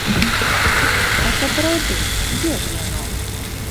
А сапраўды, дзе ж яно?